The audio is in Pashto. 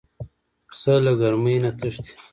پسه له ګرمۍ نه تښتي.